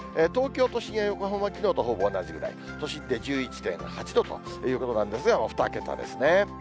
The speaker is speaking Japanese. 東京都心や横浜、きのうとほぼ同じくらい、都心で１１．８度ということなんですが、２桁ですね。